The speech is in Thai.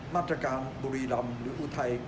มาตรการบุรีรำหรืออุทัย